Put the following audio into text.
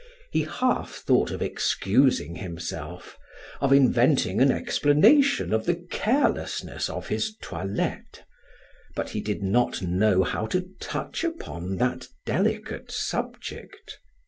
He half thought of excusing himself, of inventing an explanation of the carelessness of his toilette, but he did not know how to touch upon that delicate subject.